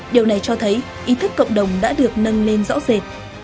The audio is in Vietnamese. đây cho thấy ý thức cộng đồng đã được nâng lên rõ rệt